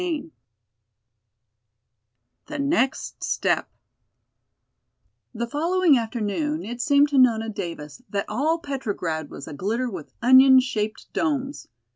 CHAPTER XIII The Next Step The following afternoon it seemed to Nona Davis that all Petrograd was a glitter with onion shaped domes.